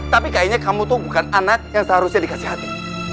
tapi kayaknya kamu tuh bukan anak yang seharusnya dikasih hati